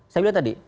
saya lihat tadi